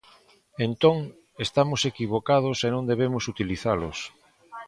Entón estamos equivocados e non debemos utilizalos.